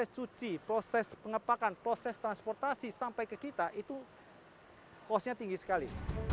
jadi proses pengumpulannya proses transportasi sampai ke kita itu kosnya tinggi sekali